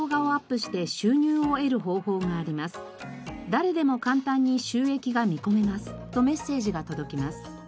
「誰でも簡単に収益が見込めます」とメッセージが届きます。